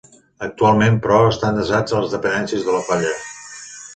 Actualment, però, estan desats a les dependències de la colla.